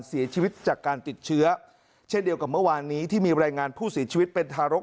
เสียชีวิตจากการติดเชื้อเช่นเดียวกับเมื่อวานนี้ที่มีรายงานผู้เสียชีวิตเป็นทารก